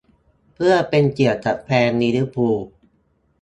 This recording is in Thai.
เพื่อเป็นเกียรติกับแฟนลิเวอร์พูล